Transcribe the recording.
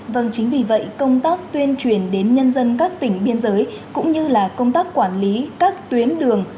vâng chính vì vậy công tác tuyên truyền đến nhân dân các tỉnh biên giới cũng như là công tác quản lý các tuyến đường